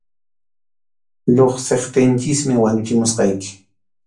Lluqsiptinchikmi wañuchimusqayki.